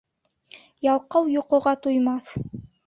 Ялҡау йоҡоға туймаҫ.